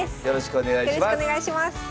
よろしくお願いします。